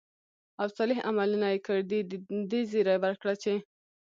او صالح عملونه ئې كړي، د دې زېرى وركړه چې: